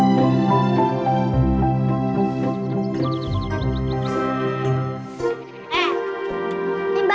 gak enak rasanya